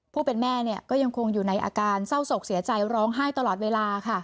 ผู้เป็นแม่ก็ยังคงอยู่ในอาการเศร้าศกเสียใจร้องไห้ตลอดเวลา